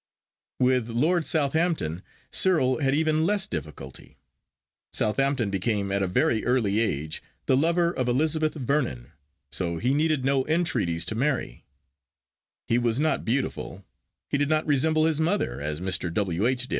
With Lord Southampton Cyril had even less difficulty. Southampton became at a very early age the lover of Elizabeth Vernon, so he needed no entreaties to marry; he was not beautiful; he did not resemble his mother, as Mr. W. H.